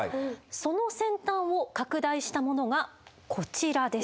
その先端を拡大したものがこちらです。